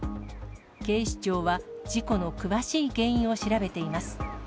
警視庁は、事故の詳しい原因を調べています。